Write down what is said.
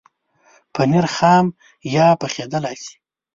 پنېر خام یا پخېدلای شي.